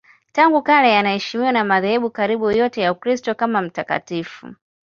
Tangu kale anaheshimiwa na madhehebu karibu yote ya Ukristo kama mtakatifu.